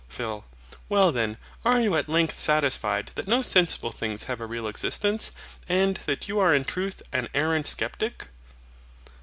PHIL. Well then, are you at length satisfied that no sensible things have a real existence; and that you are in truth an arrant sceptic?